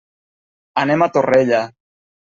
Anem a Torrella.